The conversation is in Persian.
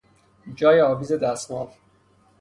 جای آویز دستمال